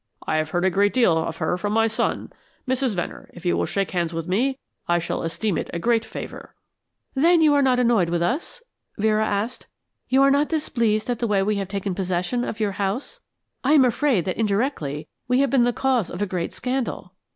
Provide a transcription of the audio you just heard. I have heard a great deal of her from my son. Mrs. Venner, if you will shake hands with me I shall esteem it a great favor." "Then you are not annoyed with us?" Vera asked. "You are not displeased at the way we have taken possession of your house? I am afraid that indirectly we have been the cause of a great scandal."